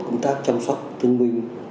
công tác chăm sóc thương binh